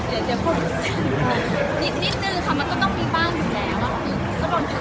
ช่องความหล่อของพี่ต้องการอันนี้นะครับ